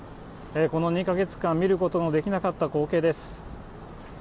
この２か月間、見ることのできなかった光景です。